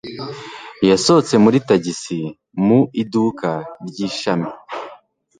Yasohotse muri tagisi mu iduka ry'ishami.